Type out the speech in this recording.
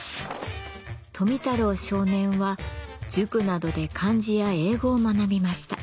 富太郎少年は塾などで漢字や英語を学びました。